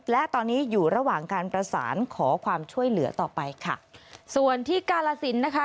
และตอนนี้อยู่ระหว่างการประสานขอความช่วยเหลือต่อไปค่ะส่วนที่กาลสินนะคะ